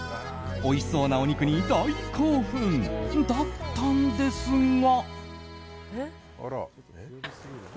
おいしそうなお肉に大興奮だったんですが。